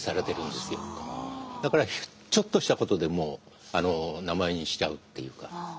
だからちょっとしたことでも名前にしちゃうっていうか。